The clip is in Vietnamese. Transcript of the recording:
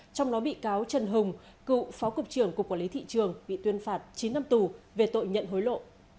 trong đó bị cáo trần hùng cựu phó cục trưởng cục quản lý thị trường bị tuyên phạt chín năm tù về tội nhận hối lộ